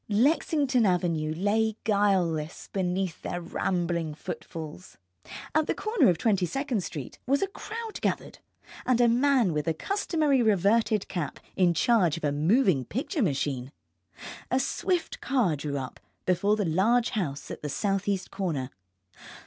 Lexington Avenue lay guileless beneath their rambling footfalls. At the corner of Twenty second Street was a crowd gathered, and a man with the customary reverted cap in charge of a moving picture machine. A swift car drew up before the large house at the southeast corner.